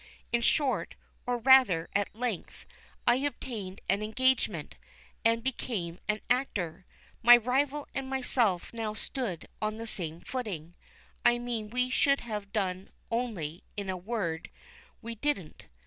In short, or rather, at length, I obtained an engagement, and became an actor. My rival and myself now stood on the same footing. I mean we should have done, only, in a word, we didn't.